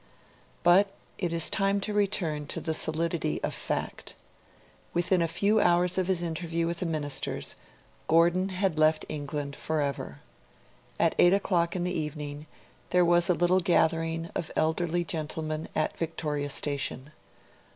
But it is time to return to the solidity of fact. Within a few hours of his interview with the Ministers, Gordon had left England forever. At eight o'clock in the evening, there was a little gathering of elderly gentlemen at Victoria Station.